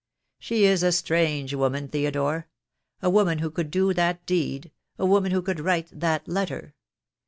She is a strange woman, Theodore — a woman who could do that deed — a woman who could write that letter.